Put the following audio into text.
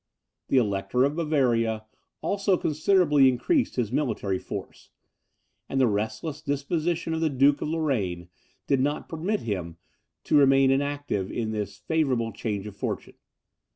The Elector of Bavaria also considerably increased his military force; and the restless disposition of the Duke of Lorraine did not permit him to remain inactive in this favourable change of fortune.